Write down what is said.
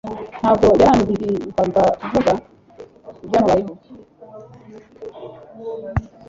Ntabwo yarambimvaga kuvuga ibyamubayeho.